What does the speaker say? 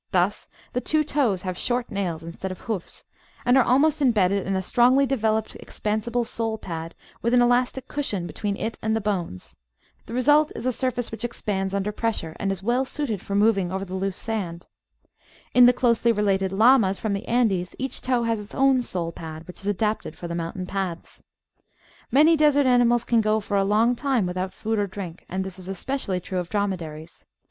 Thus the two toes have short nails instead of hoofs, and are almost embedded in a strongly developed expansible sole pad with an elastic cushion between it and the bones. The result is a surface which expands under pressure, and is well suited for moving over the loose sand. In the closely related Llamas from the Andes each toe has its own sole pad, which is adapted for the mountain ^aths. Many desert animals can go for a long time without food or drink, and this is especially true of dromedaries.